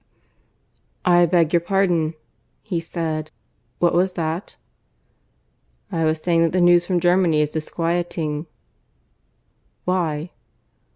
"I beg your pardon," he said. "What was that?" "I was saying that the news from Germany is disquieting." "Why?"